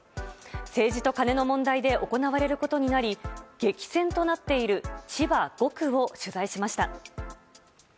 政治とカネの問題で行われることになり激戦となっている千葉５区を取材しました。